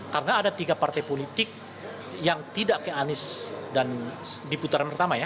karena ada tiga partai politik yang tidak ke anies dan di putaran pertama ya